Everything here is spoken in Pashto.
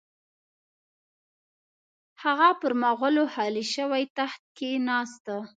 هغه پر مغولو خالي شوي تخت کښې نه ناست.